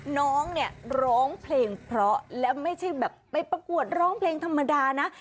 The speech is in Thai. น้องเนี่ยร้องเพลงเพราะและไม่ใช่แบบไปประกวดร้องเพลงธรรมดานะ